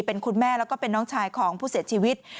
เป็นคุณแม่แล้วก็เป็นน้องชายของผู้เสียชีวิต